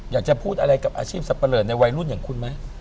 อยากจะพูดอะไรกับอาชีพสับปะเลอในวัยรุ่นอย่างคุณไหม